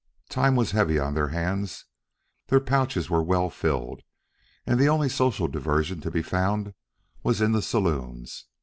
Time was heavy on their hands, their pouches were well filled, and the only social diversion to be found was in the saloons.